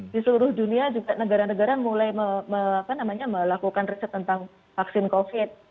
di seluruh dunia juga negara negara mulai melakukan riset tentang vaksin covid